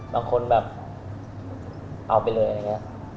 บางคนแบบเอาไปเลยอะไรอย่างนี้